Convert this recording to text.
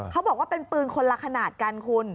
เขาบอกว่าเป็นปืนคนละขนาดกันคุณ